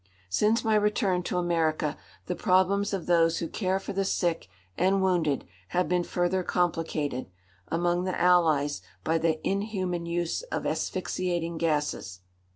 Since my return to America the problems of those who care for the sick and wounded have been further complicated, among the Allies, by the inhuman use of asphyxiating gases.